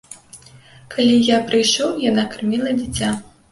Калі я прыйшоў, яна карміла дзіця.